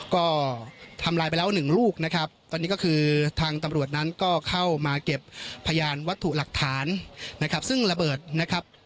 ก็ทำลายไปแล้วหนึ่งลูกนะครับตอนนี้ก็คือทางตำรวจนั้นก็เข้ามาเก็บพยานวัตถุหลักฐานนะครับซึ่งระเบิดนะครับ